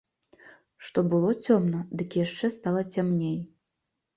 Што было цёмна, дык яшчэ стала цямней.